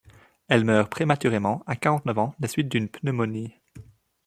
Elle meurt prématurément, à quarante-neuf ans, des suites d'une pneumonie.